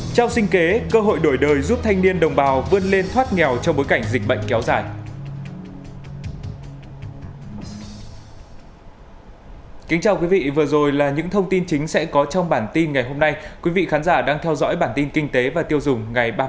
trong sinh kế cơ hội đổi đời giúp thanh niên đồng bào vươn lên thoát nghèo trong bối cảnh dịch bệnh kéo dài